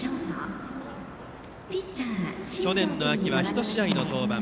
去年の秋は１試合の登板。